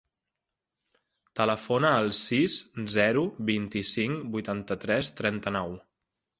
Telefona al sis, zero, vint-i-cinc, vuitanta-tres, trenta-nou.